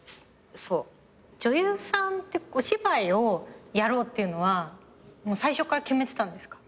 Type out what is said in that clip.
女優さんってお芝居をやろうっていうのは最初から決めてたんですか？